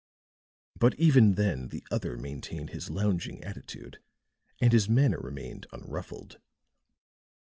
But even then the other maintained his lounging attitude and his manner remained unruffled.